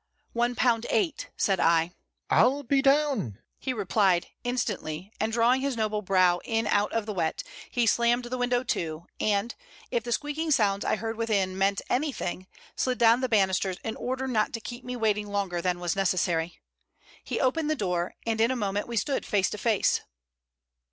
"One pound eight," said I. "I'll be down," he replied, instantly, and drawing his noble brow in out of the wet, he slammed the window to, and, if the squeaking sounds I heard within meant anything, slid down the banisters in order not to keep me waiting longer than was necessary. He opened the door, and in a moment we stood face to face.